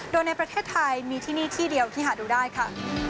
โดยในประเทศไทยมีที่นี่ที่เดียวที่หาดูได้ค่ะ